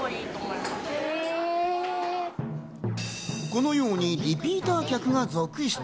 このようにリピーター客が続出。